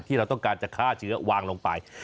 เราต้องการจะฆ่าเชื้อวางลงไป